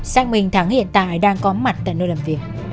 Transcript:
xác minh thắng hiện tại đang có mặt tại nơi làm việc